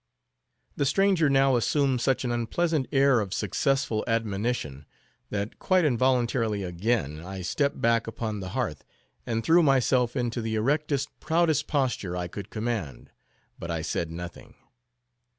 The stranger now assumed such an unpleasant air of successful admonition, that—quite involuntarily again—I stepped back upon the hearth, and threw myself into the erectest, proudest posture I could command. But I said nothing.